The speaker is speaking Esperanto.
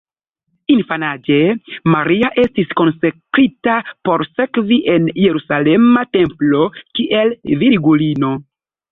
Infanaĝe, Maria estis konsekrita por servi en la jerusalema templo kiel virgulino.